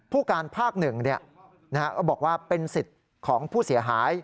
ผู้การภาค๑เนี่ยนะครับก็บอกว่าเป็นสิทธิ์ของผู้เสียหาย